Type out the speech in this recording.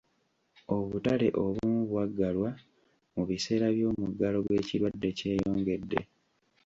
Obutale obumu bwaggalwa mu biseera by'omuggalo gw'ekirwadde kyeyongedde.